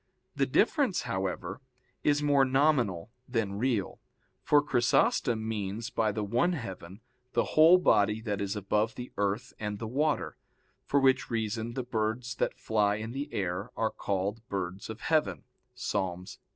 The difference, however, is more nominal than real. For Chrysostom means by the one heaven the whole body that is above the earth and the water, for which reason the birds that fly in the air are called birds of heaven [*Ps.